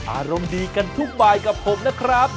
อารมณ์ดีกันทุกบายกับผมนะครับ